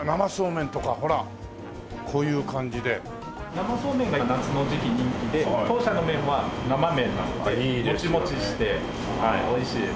生そうめんが夏の時期人気で当社の麺は生麺なのでモチモチしておいしいです。